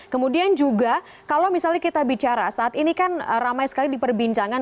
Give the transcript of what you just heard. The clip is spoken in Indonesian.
kemudian juga kalau misalnya kita bicara saat ini kan ramai sekali diperbincangkan